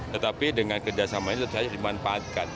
tetapi dengan kerjasama ini saya di manfaatkan